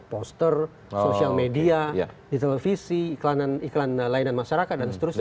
poster social media di televisi iklan lainan masyarakat dan seterusnya